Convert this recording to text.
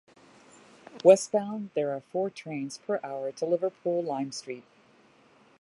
Westbound, there are four trains per hour to Liverpool Lime Street.